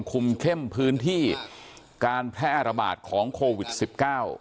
คุมเข้มพื้นที่การแพร่ระบาดของโควิดสิบเก้า